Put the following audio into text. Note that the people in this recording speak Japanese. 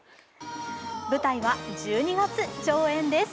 舞台は１２月上演です。